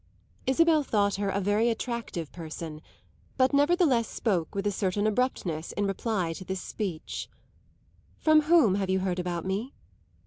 Isabel thought her a very attractive person, but nevertheless spoke with a certain abruptness in reply to this speech. "From whom have you heard about me?"